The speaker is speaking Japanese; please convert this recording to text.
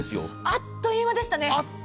あっという間でしたね。